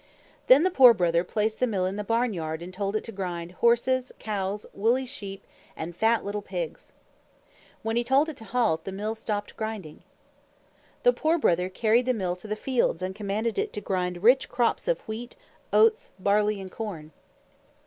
Then the Poor Brother placed the Mill in the barnyard and told it to grind horses, cows, woolly sheep, and fat little pigs. When he told it to halt, the Mill stopped grinding. The Poor Brother carried the Mill to the fields and commanded it to grind rich crops of wheat, oats, barley, and corn.